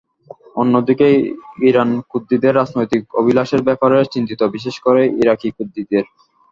অন্যদিকে ইরানও কুর্দিদের রাজনৈতিক অভিলাষের ব্যাপারে চিন্তিত, বিশেষ করে ইরাকি কুর্দিদের।